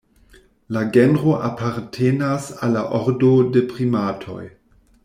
La genro apartenas al la ordo de primatoj.